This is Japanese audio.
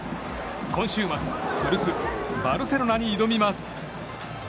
今週末古巣バルセロナに挑みます。